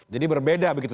jadi berbeda begitu